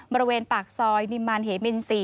บริเวณปากซอยนิมมารเหมิน๔